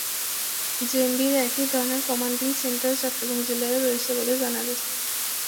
জেএমবির একই ধরনের commanding centre Chittagong জেলায়ও রয়েছে বলে জানা গেছে।